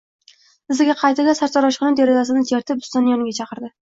Iziga qaytdi-da, sartaroshxona derazasini chertib, ustani yoniga chaqirdi